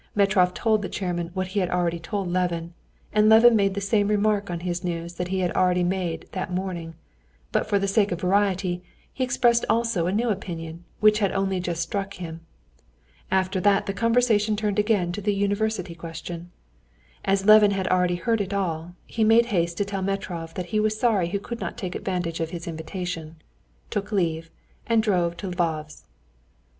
Metrov told the chairman what he had already told Levin, and Levin made the same remarks on his news that he had already made that morning, but for the sake of variety he expressed also a new opinion which had only just struck him. After that the conversation turned again on the university question. As Levin had already heard it all, he made haste to tell Metrov that he was sorry he could not take advantage of his invitation, took leave, and drove to Lvov's.